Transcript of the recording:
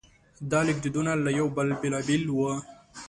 دا لیکدودونه له یو بل بېلابېل وو.